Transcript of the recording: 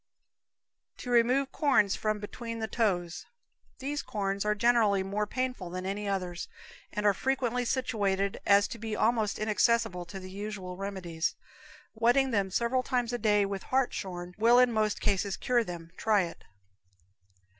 To Remove Corns from Between the Toes. These corns are generally more painful than any others, and are frequently situated as to be almost inaccessible to the usual remedies. Wetting them several times a day with hartshorn will in most cases cure them. Try it.